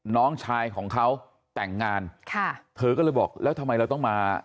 น้องชายของเขาแต่งงานค่ะเธอก็เลยบอกแล้วทำไมเราต้องมา